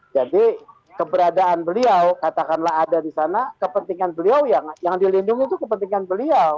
jadi keberadaan beliau katakanlah ada di sana kepentingan beliau yang dilindungi itu kepentingan beliau